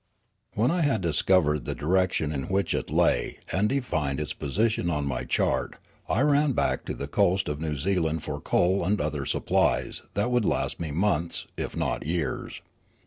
When I had discovered the direction in which it lay and defined its position on my chart, we ran back to the coast of New Zealand for coal and other supplies that would last me months, if not years.